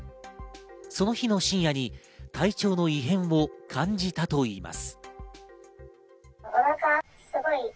その日の深夜に体調の異変を感じたといいます。